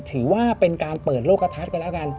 ถือว่าเป็นการเปิดโลกทัศน์ก็แล้วกัน